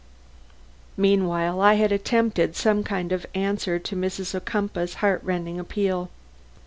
Meanwhile I had attempted some kind of answer to Mrs. Ocumpaugh's heart rending appeal.